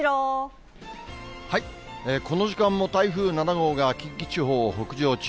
この時間も台風７号が近畿地方を北上中。